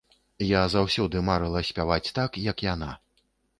Я заўсёды марыла спяваць так, як яна.